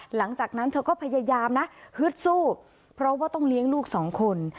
หลังจากนั้นเธอก็พยายามนะฮึดสู้เพราะว่าต้องเลี้ยงลูกสองคน